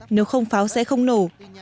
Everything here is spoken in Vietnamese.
nếu không pháo sẽ không nổ